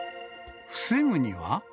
防ぐには？